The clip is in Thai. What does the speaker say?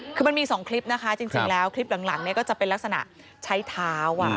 คือมันมี๒คลิปนะคะจริงแล้วคลิปหลังเนี่ยก็จะเป็นลักษณะใช้เท้า